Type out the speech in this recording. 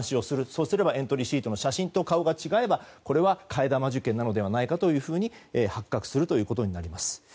そうすればエントリーシートの写真と顔が違えば、これは替え玉受験なのではないかと発覚することになります。